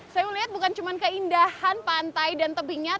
saya melihat bukan cuma keindahan pantai dan tebingnya